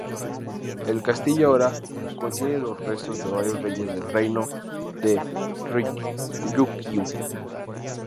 El castillo ahora contiene los restos de varios reyes del reino de Ryukyu.